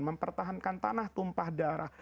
mempertahankan tanah tumpah darah